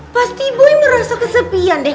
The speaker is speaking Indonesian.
pasti bui merasa kesepian deh